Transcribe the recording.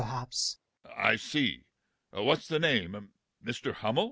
..